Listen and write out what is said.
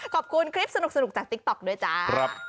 ขอบคุณคลิปสนุกจากติ๊กต๊อกด้วยจ้า